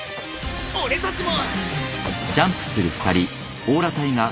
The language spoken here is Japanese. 俺たちも！